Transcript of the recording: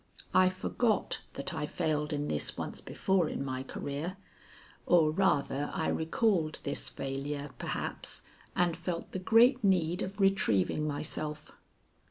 I forgot that I failed in this once before in my career, or rather I recalled this failure, perhaps, and felt the great need of retrieving myself.